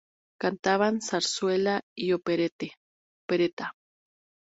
Cantaban zarzuela y opereta.